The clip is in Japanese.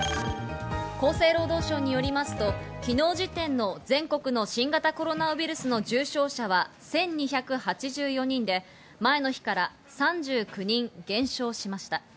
厚生労働省によりますと、昨日時点の全国の新型コロナウイルスの重症者は１２８４人で前の日から３９人減少しました。